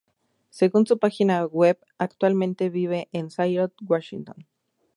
Según su página web, actualmente vive en Seattle, Washington.